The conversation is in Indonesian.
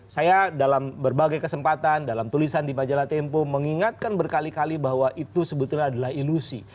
saya dalam berbagai kesempatan dalam tulisan di majalah tempo mengingatkan berkali kali bahwa itu sebetulnya adalah ilusi